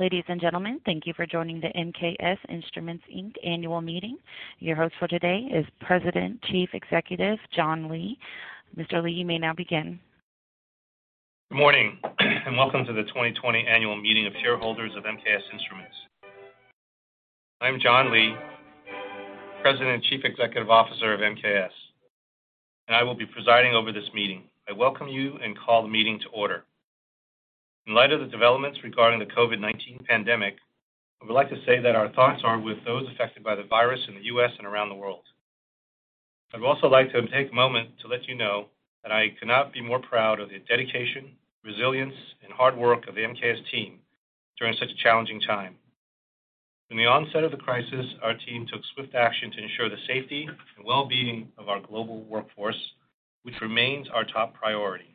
Ladies and gentlemen, thank you for joining the MKS Instruments Inc. annual meeting. Your host for today is President Chief Executive John Lee. Mr. Lee, you may now begin. Good morning and welcome to the 2020 annual meeting of shareholders of MKS Instruments. I am John Lee, President Chief Executive Officer of MKS, and I will be presiding over this meeting. I welcome you and call the meeting to order. In light of the developments regarding the COVID-19 pandemic, I would like to say that our thoughts are with those affected by the virus in the U.S. and around the world. I would also like to take a moment to let you know that I cannot be more proud of the dedication, resilience, and hard work of the MKS team during such a challenging time. From the onset of the crisis, our team took swift action to ensure the safety and well-being of our global workforce, which remains our top priority.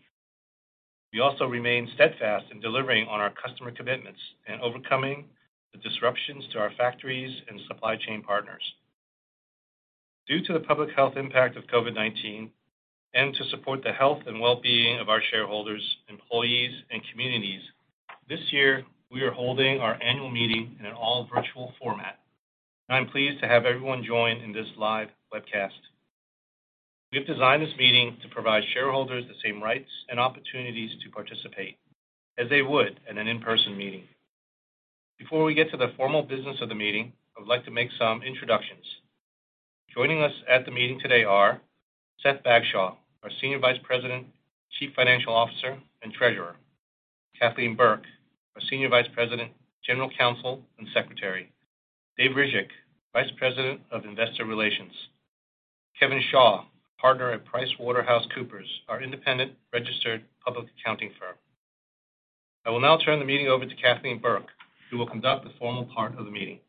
We also remain steadfast in delivering on our customer commitments and overcoming the disruptions to our factories and supply chain partners. Due to the public health impact of COVID-19 and to support the health and well-being of our shareholders, employees, and communities, this year we are holding our annual meeting in an all-virtual format, and I'm pleased to have everyone join in this live webcast. We have designed this meeting to provide shareholders the same rights and opportunities to participate as they would at an in-person meeting. Before we get to the formal business of the meeting, I would like to make some introductions. Joining us at the meeting today are: Seth Bagshaw, our Senior Vice President, Chief Financial Officer and Treasurer, Kathleen Burke, our Senior Vice President, General Counsel and Secretary, Dave Ryzhik, Vice President of Investor Relations, Kevin Shea, partner at PricewaterhouseCoopers, our independent registered public accounting firm. I will now turn the meeting over to Kathleen Burke, who will conduct the formal part of the meeting.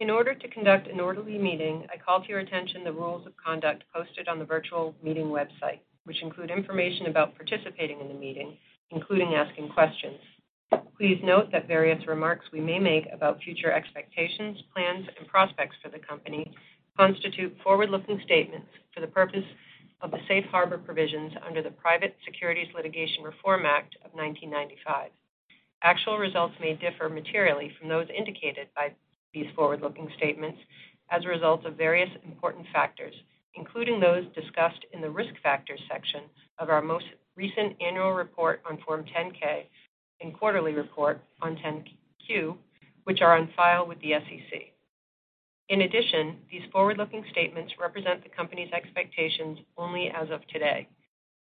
In order to conduct an orderly meeting, I call to your attention the rules of conduct posted on the virtual meeting website, which include information about participating in the meeting, including asking questions. Please note that various remarks we may make about future expectations, plans, and prospects for the company constitute forward-looking statements for the purpose of the Safe Harbor provisions under the Private Securities Litigation Reform Act of 1995. Actual results may differ materially from those indicated by these forward-looking statements as a result of various important factors, including those discussed in the Risk Factors section of our most recent annual report on Form 10-K and quarterly report on Form 10-Q, which are on file with the SEC. In addition, these forward-looking statements represent the company's expectations only as of today.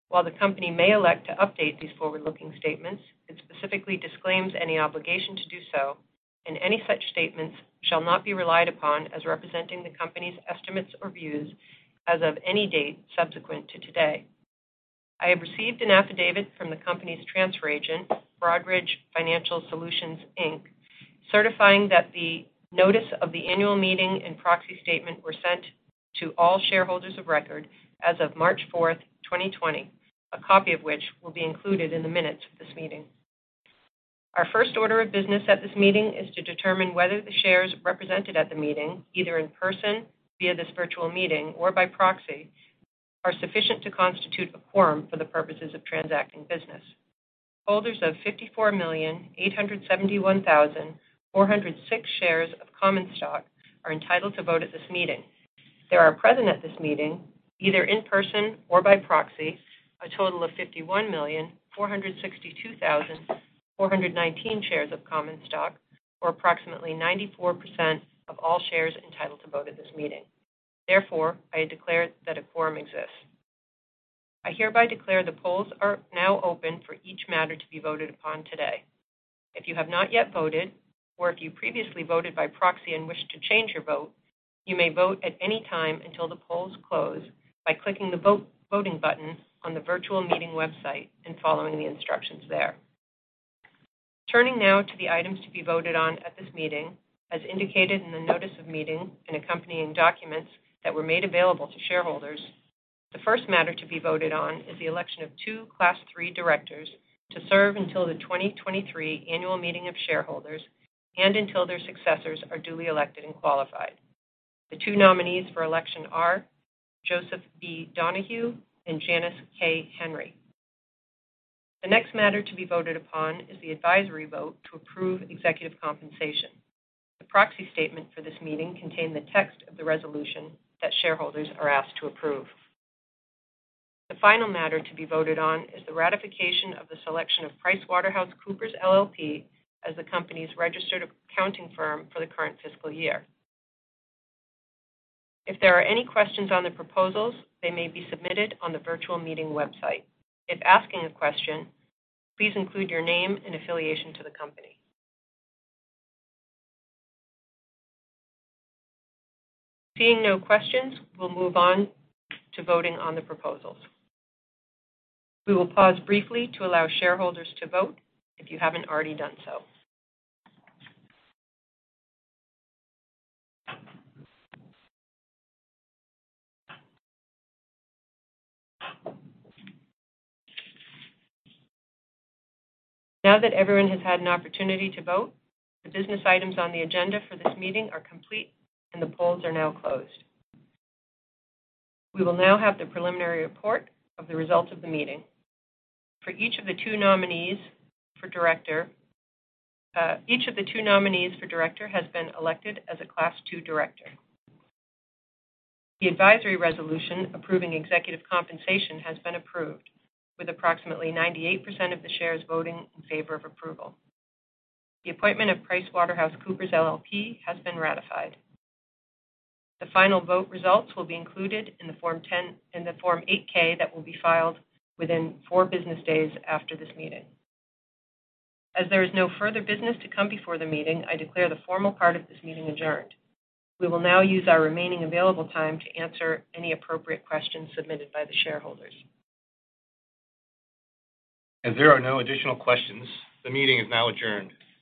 While the company may elect to update these forward-looking statements, it specifically disclaims any obligation to do so, and any such statements shall not be relied upon as representing the company's estimates or views as of any date subsequent to today. I have received an affidavit from the company's transfer agent, Broadridge Financial Solutions, Inc., certifying that the notice of the annual meeting and proxy statement were sent to all shareholders of record as of March 4, 2020, a copy of which will be included in the minutes of this meeting. Our first order of business at this meeting is to determine whether the shares represented at the meeting, either in person via this virtual meeting or by proxy, are sufficient to constitute a quorum for the purposes of transacting business. Holders of 54,871,406 shares of common stock are entitled to vote at this meeting. There are present at this meeting, either in person or by proxy, a total of 51,462,419 shares of common stock, or approximately 94% of all shares entitled to vote at this meeting. Therefore, I declare that a quorum exists. I hereby declare the polls are now open for each matter to be voted upon today. If you have not yet voted, or if you previously voted by proxy and wish to change your vote, you may vote at any time until the polls close by clicking the vote voting button on the virtual meeting website and following the instructions there. Turning now to the items to be voted on at this meeting, as indicated in the notice of meeting and accompanying documents that were made available to shareholders, the first matter to be voted on is the election of two Class III directors to serve until the 2023 annual meeting of shareholders and until their successors are duly elected and qualified. The two nominees for election are Joseph B. Donahue and Janice K. Henry. The next matter to be voted upon is the advisory vote to approve executive compensation. The proxy statement for this meeting contains the text of the resolution that shareholders are asked to approve. The final matter to be voted on is the ratification of the selection of PricewaterhouseCoopers LLP as the company's registered accounting firm for the current fiscal year. If there are any questions on the proposals, they may be submitted on the virtual meeting website. If asking a question, please include your name and affiliation to the company. Seeing no questions, we'll move on to voting on the proposals. We will pause briefly to allow shareholders to vote if you haven't already done so. Now that everyone has had an opportunity to vote, the business items on the agenda for this meeting are complete and the polls are now closed. We will now have the preliminary report of the results of the meeting. For each of the two nominees for director, each of the two nominees for director has been elected as a Class II director. The advisory resolution approving executive compensation has been approved, with approximately 98% of the shares voting in favor of approval. The appointment of PricewaterhouseCoopers LLP has been ratified. The final vote results will be included in the Form 10-K and the Form 8-K that will be filed within 4 business days after this meeting. As there is no further business to come before the meeting, I declare the formal part of this meeting adjourned. We will now use our remaining available time to answer any appropriate questions submitted by the shareholders. As there are no additional questions, the meeting is now adjourned.